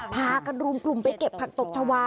พากันรวมกลุ่มไปเก็บผักตบชาวา